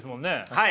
はい。